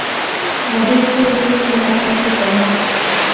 مدد کے لیے استعمال ہو سکتا ہے